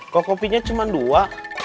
kok kopinya cuman dua